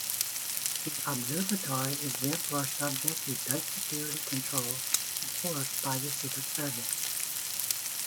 The Observatory is therefore subject to tight security control enforced by the Secret Service.